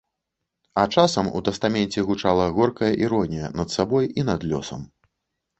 А часам у тастаменце гучала горкая іронія над сабой і над лёсам.